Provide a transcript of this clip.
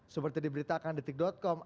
seperti diberitakan detik com